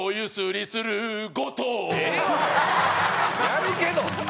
やるけど！